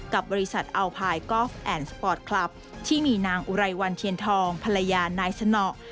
กับบริษัทอัลพายกอล์ฟแอนด์สปอร์ตคลับที่มีนางอุไรวันเทียนทองภรรยานายสนอ